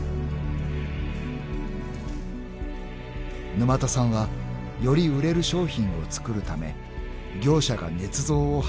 ［沼田さんはより売れる商品を作るため業者が捏造を始めたとみている］